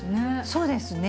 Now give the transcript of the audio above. そうですね。